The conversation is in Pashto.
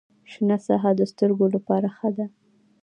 شنه ساحه د سترګو لپاره ښه ده